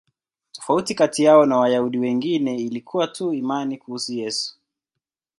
Tofauti kati yao na Wayahudi wengine ilikuwa tu imani kuhusu Yesu.